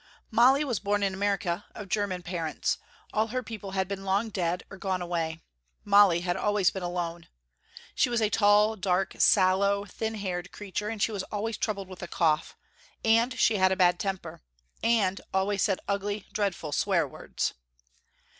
Molly was born in America, of german parents. All her people had been long dead or gone away. Molly had always been alone. She was a tall, dark, sallow, thin haired creature, and she was always troubled with a cough, and she had a bad temper, and always said ugly dreadful swear words.